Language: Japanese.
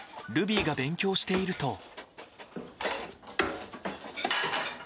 ルビーが勉強していると。